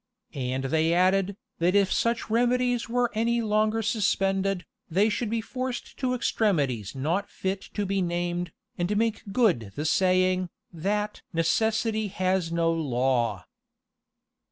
And they added, "That if such remedies were any longer suspended, they should be forced to extremities not fit to be named, and make good the saying, that 'Necessity has no law.